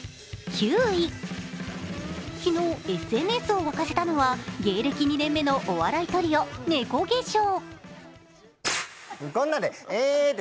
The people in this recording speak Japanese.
昨日、ＳＮＳを沸かせたのは芸歴２年目のお笑いトリオ猫化粧。